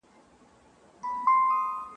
هره ورځ حلالیدل غوايی پسونه ..